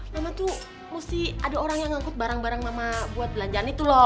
mama tuh mesti ada orang yang ngangkut barang barang mama buat belanjaan itu loh